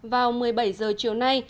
vào một mươi bảy h chiều nay